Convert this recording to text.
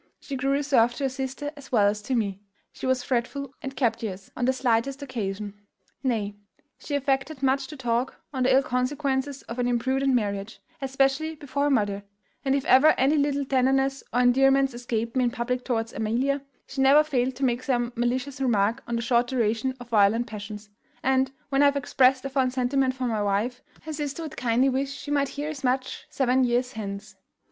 She grew reserved to her sister as well as to me. She was fretful and captious on the slightest occasion; nay, she affected much to talk on the ill consequences of an imprudent marriage, especially before her mother; and if ever any little tenderness or endearments escaped me in public towards Amelia, she never failed to make some malicious remark on the short duration of violent passions; and, when I have expressed a fond sentiment for my wife, her sister would kindly wish she might hear as much seven years hence.